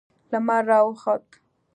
لمر را وخوت.